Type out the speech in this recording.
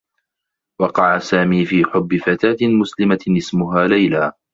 وقع سامي في حبّ فتاة مسلمة اسمها ليلى.